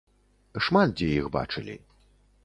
Шмат дзе іх бачылі.